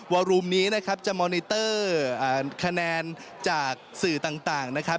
อลลูมนี้จะมอเน็ตเตอร์คะแนนจากสื่อต่างนะครับ